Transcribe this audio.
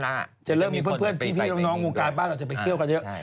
มีคนได้ไปเนี่ย